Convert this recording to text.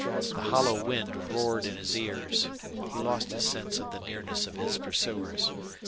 The hollow wind roared in his ears. He lost his sense of the nearness of his pursuers.